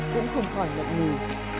cũng không khỏi lật ngủi